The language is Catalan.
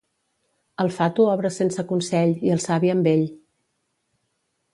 El fatu obra sense consell i el savi amb ell.